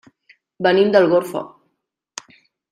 Venim d'Algorfa.